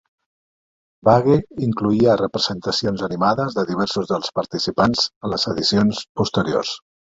Bagge incloïa representacions animades de diversos dels participants en les edicions posteriors.